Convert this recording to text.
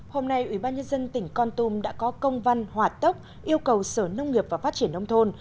hôm nay ubnd tỉnh con tum đã có công văn hỏa tốc yêu cầu sở nông nghiệp và phát triển nông thôn